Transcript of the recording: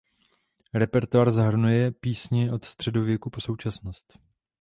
Repertoár zahrnuje písně od středověku po současnost.